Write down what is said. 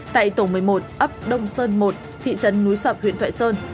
tại tổng một mươi một ấp đông sơn một thị trấn núi sợp huyện thoại sơn